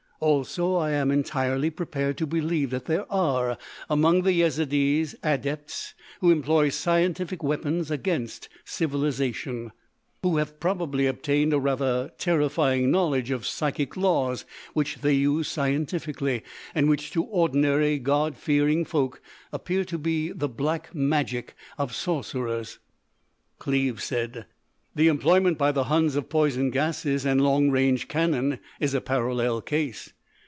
"Also I am entirely prepared to believe that there are, among the Yezidees, adepts who employ scientific weapons against civilisation—who have probably obtained a rather terrifying knowledge of psychic laws which they use scientifically, and which to ordinary, God fearing folk appear to be the black magic of sorcerers." Cleves said: "The employment by the huns of poison gases and long range cannon is a parallel case.